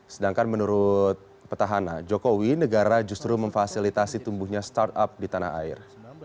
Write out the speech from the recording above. sedangkan menurut petahana jokowi negara justru memfasilitasi tumbuhnya startup di tanah air